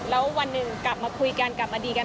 แล้ววันหนึ่งกลับมาคุยกันกลับมาดีกัน